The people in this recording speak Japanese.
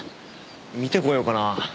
見てこようかな。